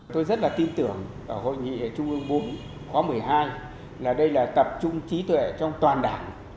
tôi rất là tin tưởng ở hội nghị trung ương bốn khóa một mươi hai là đây là tập trung trí tuệ trong toàn đảng